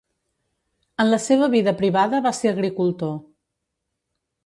En la seva vida privada va ser agricultor.